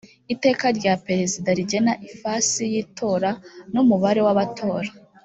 iteka rya perezida rigena ifasi y itora n umubare wabatora